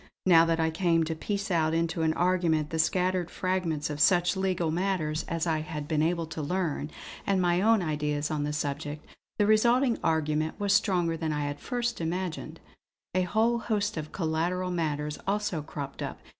Now that I came to piece out into an argument the scattered fragments of such legal matters as I had been able to learn, and my own ideas on the subject, the resulting argument was stronger than I had at first imagined. A whole host of collateral matters also cropped up.